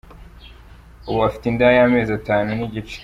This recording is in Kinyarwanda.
Ubu afite inda y’amezi atanu n’igice.